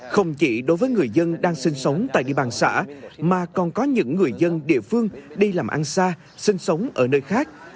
không chỉ đối với người dân đang sinh sống tại địa bàn xã mà còn có những người dân địa phương đi làm ăn xa sinh sống ở nơi khác